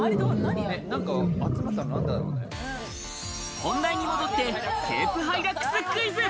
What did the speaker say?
本題に戻って、ケープハイラックスクイズ。